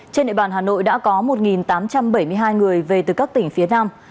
trên địa bàn hà nội đã có một tám trăm bảy mươi hai người về từ các tỉnh phía nam